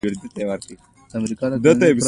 مسئولیتونه باوري کسانو ته وسپارل شي.